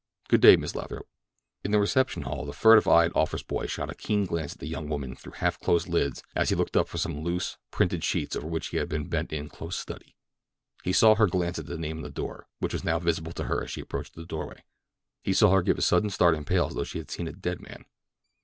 "Good day, Miss Lathrop." In the reception hall the furtive eyed office boy shot a keen glance at the young woman through half closed lids as he looked up from some loose, printed sheets over which he had been bent in close study. He saw her glance at the name upon the door, which was now visible to her as she approached the doorway. He saw her give a sudden start and pale as though she had seen a dead man.